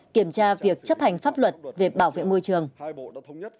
kiểm tra việc chấp hành pháp luật về bảo vệ môi trường